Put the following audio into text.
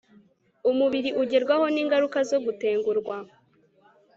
umubiri ugerwaho ningaruka zo gutengurwa